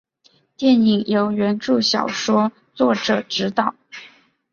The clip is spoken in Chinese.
电影由原着小说作者执导。